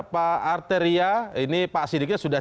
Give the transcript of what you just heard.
pak arteria ini pak sidiknya sudah